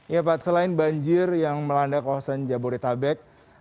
ya pak selain banjir yang melanda kawasan jabodetabek